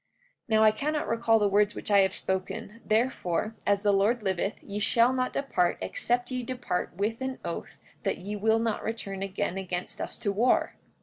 44:11 Now I cannot recall the words which I have spoken, therefore as the Lord liveth, ye shall not depart except ye depart with an oath that ye will not return again against us to war.